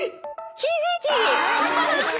ひじきだ！